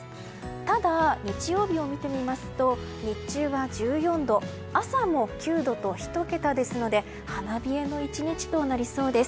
ただ、日曜日を見てみますと日中は１４度朝も９度と１桁ですので花冷えの１日となりそうです。